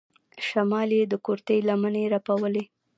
شمال يې د کورتۍ لمنې رپولې.